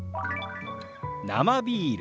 「生ビール」。